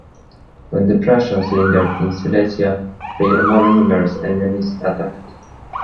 When the Prussians lingered in Silesia, their more numerous enemies attacked.